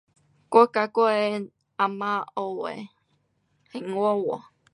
我跟我的啊嫲学的兴华话。